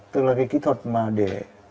tức là cái kỹ thuật mà để